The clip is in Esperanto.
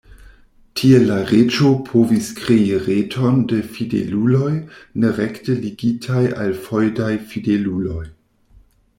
Tiel la reĝo povis krei reton de fideluloj ne rekte ligitaj al feŭdaj fideluloj.